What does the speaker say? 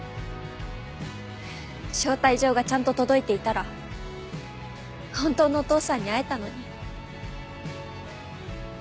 招待状がちゃんと届いていたら本当のお父さんに会えたのに。